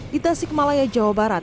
di tasik malaya jawa barat